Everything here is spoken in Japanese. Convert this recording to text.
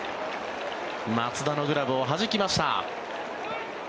松田のグラブをはじきました。